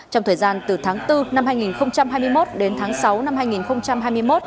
trong thời gian từ tháng bốn năm hai nghìn hai mươi một đến tháng sáu năm hai nghìn hai mươi một